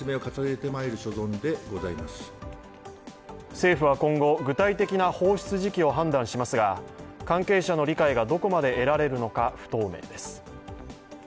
政府は今後、具体的な放出時期を判断しますが、関係者の理解がどこまで得られるのか、不透明です。